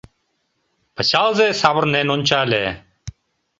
Пычалзе савырнен ончале.